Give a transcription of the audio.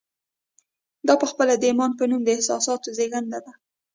دا پخپله د ايمان په نوم د احساس زېږنده ده.